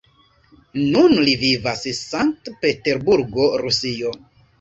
Nun li vivas St-Peterburgo, Rusio.